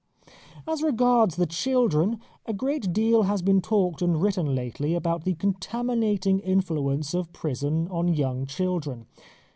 As regards the children, a great deal has been talked and written lately about the contaminating influence of prison on young children.